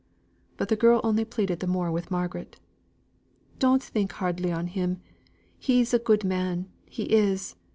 But the girl only pleaded the more with Margaret. "Don't think hardly on him he's a good man, he is.